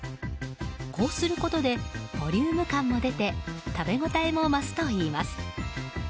こうすることでボリューム感も出て食べ応えも増すといいます。